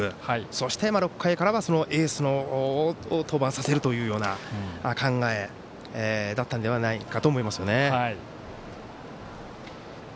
そして、６回からはエースを登板させるというような考えだったんではないかなと思いますね。